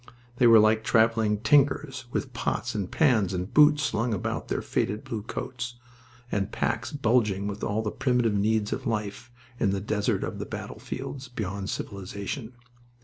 They were like traveling tinkers, with pots and pans and boots slung about their faded blue coats, and packs bulging with all the primitive needs of life in the desert of the battlefields beyond civilization.